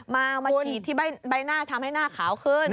มาฉีดที่ใบหน้าทำให้หน้าขาวขึ้น